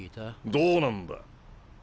どうなんだ？